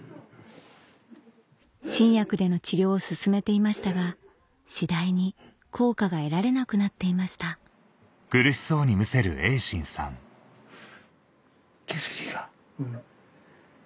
新薬での治療を進めていましたが次第に効果が得られなくなっていました薬が。